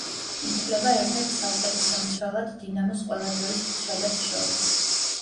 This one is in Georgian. ითვლება ერთ-ერთ საუკეთესო მცველად „დინამოს“ ყველა დროის მცველებს შორის.